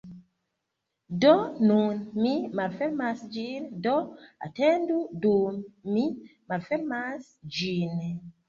Do nun mi malfermas ĝin, do atendu dum mi malfermas ĝin.